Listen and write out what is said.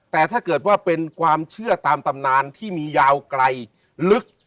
แต่ถ้าเกิดว่าเป็นความเชื่อตามตำนานที่มียาวไกลลึก